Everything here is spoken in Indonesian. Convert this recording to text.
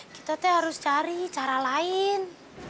kita tuh harus cari cara lain